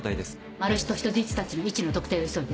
マル被と人質たちの位置の特定を急いで。